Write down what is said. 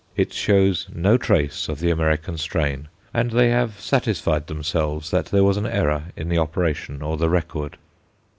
It shows no trace of the American strain, and they have satisfied themselves that there was an error in the operation or the record.